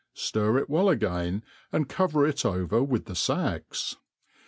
ftir it welFagain, and cover k Over with the facks.